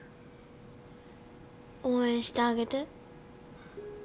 応援してあげて。